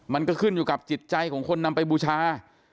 มันก็ขึ้นอยู่กับจิตใจของคนนำไปบูชา